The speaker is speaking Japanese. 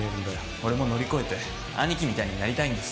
俺も乗り越えて兄貴みたいになりたいんです。